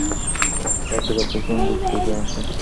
বাকিরা পেছন দিক থেকে আসে।